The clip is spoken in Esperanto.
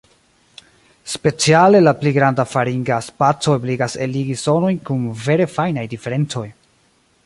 Speciale la pli granda faringa spaco ebligas eligi sonojn kun vere fajnaj diferencoj.